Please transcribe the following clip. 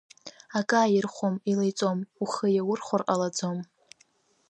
Ак ааирыхуам, илеиҵом, ухы иаурхәар ҟалаӡом.